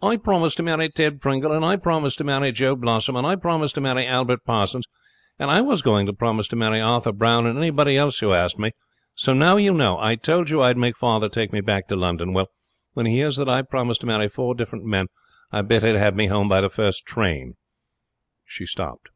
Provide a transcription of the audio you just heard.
'I promised to marry Ted Pringle, and I promised to marry Joe Blossom, and I promised to marry Albert Parsons. And I was going to promise to marry Arthur Brown and anybody else who asked me. So now you know! I told you I'd make father take me back to London. Well, when he hears that I've promised to marry four different men, I bet he'll have me home by the first train.' She stopped.